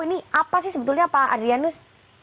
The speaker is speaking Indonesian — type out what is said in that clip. ini apa sih sebetulnya pak adrianus